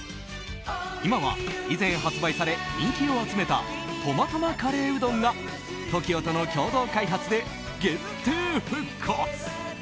今は以前発売され人気を集めたトマたまカレーうどんがＴＯＫＩＯとの共同開発で限定復活。